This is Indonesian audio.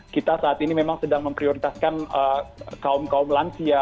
kita saat ini memang sedang memprioritaskan kaum kaum lansia